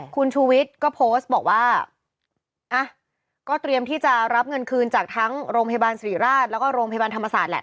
คุณชูวิทย์ก็โพสต์บอกว่าอ่ะก็เตรียมที่จะรับเงินคืนจากทั้งโรงพยาบาลสิริราชแล้วก็โรงพยาบาลธรรมศาสตร์แหละ